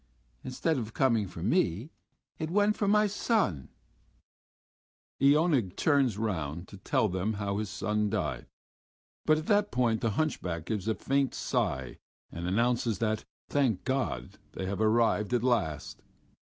Instead of coming for me it went for my son...." And Iona turns round to tell them how his son died, but at that point the hunchback gives a faint sigh and announces that, thank God! they have arrived at last.